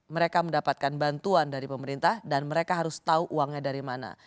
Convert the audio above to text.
mereka mendapatkan bantuan dari pemerintah dan mereka harus tahu uangnya dari mana